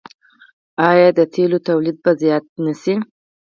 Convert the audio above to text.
آیا د تیلو تولید به زیات نشي؟